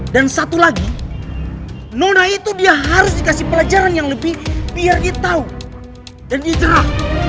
dan satu lagi nona itu dia harus dikasih pelajaran yang lebih biar dia tahu dan dia cerah